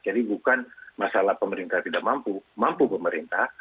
jadi bukan masalah pemerintah tidak mampu mampu pemerintah